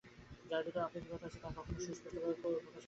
যাহার ভিতর আপেক্ষিকতা আছে, তাহা কখনও মুক্তস্বভাব হইতে পারে না।